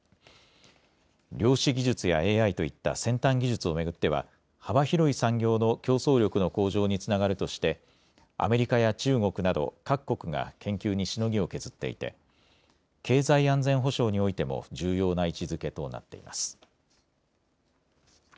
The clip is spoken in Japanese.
量子技術やＡＩといった先端技術を巡っては幅広い産業の競争力の向上につながるとしてアメリカや中国など各国が研究にしのぎを削っていて経済安全保障においても重要な位置づけとなっています。